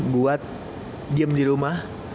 buat diem di rumah